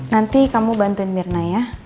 nanti kamu bantuin mirna ya